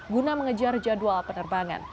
guna mengejar jadwal penerbangan